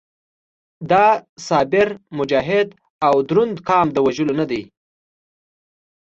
دا صابر، مجاهد او دروند قام د وژلو نه دی.